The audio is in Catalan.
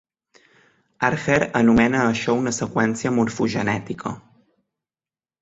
Archer anomena a això una seqüència morfogenètica.